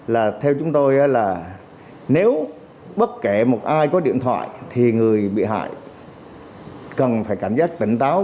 là theo chúng tôi là nếu bất kể một ai có điện thoại thì người bị hại cần phải cảm giác tỉnh táo